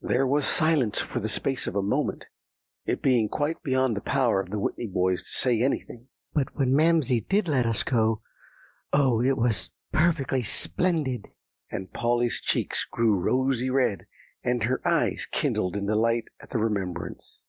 There was silence for the space of a moment, it being quite beyond the power of the Whitney boys to say anything. "But when Mamsie did let us go, oh, it was perfectly splendid!" and Polly's cheeks grew rosy red, and her eyes kindled in delight at the remembrance.